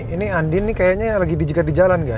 ini andin nih kayaknya lagi dijikati jalan nggak